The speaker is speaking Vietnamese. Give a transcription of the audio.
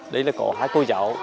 đây có hai cô giáo